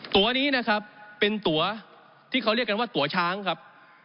ตัวนี้นะครับเป็นตัวที่เขาเรียกกันว่าตัวช้างครับ